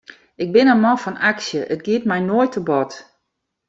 Ik bin in man fan aksje, it giet my noait te bot.